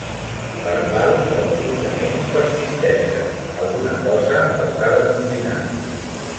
Per tal que els fins anells persisteixen, alguna cosa els ha de confinar.